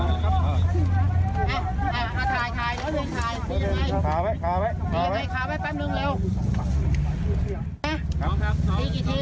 อ่ะอ่าถ่ายถ่ายถ่ายถ่ายยังไงค้าไว้ค้าไว้ค้าไว้